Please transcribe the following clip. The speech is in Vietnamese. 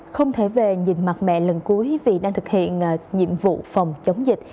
không thể về nhìn mặt mẹ lần cuối vì đang thực hiện nhiệm vụ phòng chống dịch